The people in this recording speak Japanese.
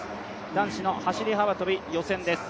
男子の走幅跳予選です。